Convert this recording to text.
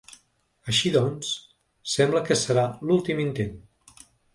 Així doncs, sembla que serà l’últim intent.